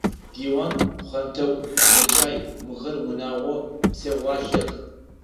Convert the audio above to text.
Диван, пхъэнтӏэкӏу, мэкӏай – мыхэр унэгъо псэуалъэх.